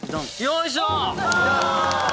よいしょ！